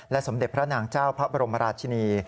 สมเด็จพระนางเจ้าพระบรมราชินี